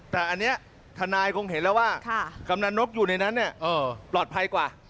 แต่อันนี้ทนายคงเห็นแล้วว่ากำนันนกอยู่ในนั้นปลอดภัยกว่า